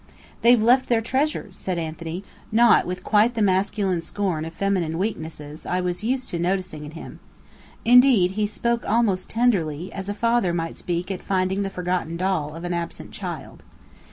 "They've left their treasures" said Anthony, not with quite the masculine scorn of feminine weaknesses I was used to noticing in him. Indeed, he spoke almost tenderly, as a father might speak at finding the forgotten doll of an absent child.